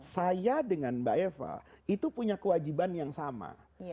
saya dengan mbak eva itu punya kewajiban yang sama